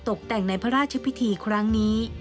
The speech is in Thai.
ตกแต่งในพระราชพิธีครั้งนี้